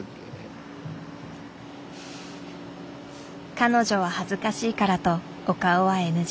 彼女は恥ずかしいからとお顔はＮＧ。